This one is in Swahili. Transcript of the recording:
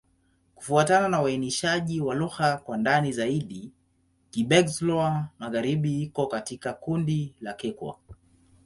Kufuatana na uainishaji wa lugha kwa ndani zaidi, Kigbe-Xwla-Magharibi iko katika kundi la Kikwa.